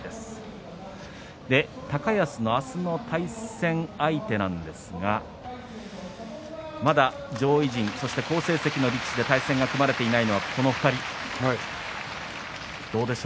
高安の明日の対戦相手なんですがまだ上位陣、好成績力士と組まれていないのはこの２人です。